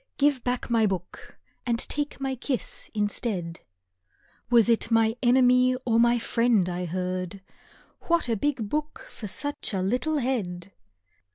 Give back my book and take my kiss instead. Was it my enemy or my friend I heard? "What a big book for such a little head!"